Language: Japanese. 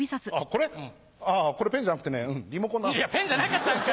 これペンじゃなくてねリモコンなんです。